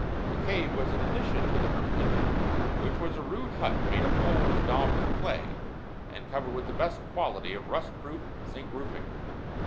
The cave was an addition to the hermitage, which was a rude hut made of poles daubed with clay and covered with the best quality of rust proof zinc roofing.